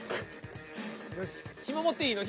ひも持っていいの？